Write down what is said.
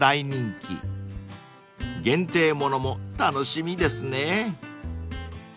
［限定物も楽しみですね］